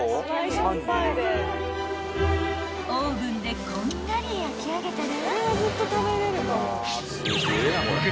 ［オーブンでこんがり焼き上げたら］